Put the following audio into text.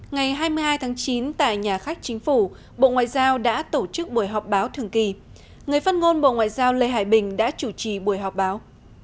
ngày hai mươi hai tháng chín tại nhà khách chính phủ bộ ngoại giao đã tổ chức buổi họp báo thường kỳ người phát ngôn bộ ngoại giao lê hải bình đã chủ trì buổi họp báo